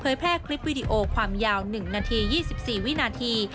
แพร่คลิปวิดีโอความยาว๑นาที๒๔วินาที